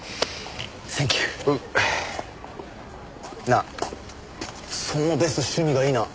なあそのベスト趣味がいいな。